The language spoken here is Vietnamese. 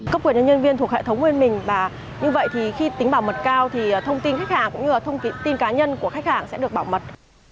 cấp quyền cho nhân viên thuộc hệ thống bên mình và như vậy thì khi tính bảo mật cao thì thông tin khách hàng cũng như là thông tin cá nhân của khách hàng sẽ được bảo mật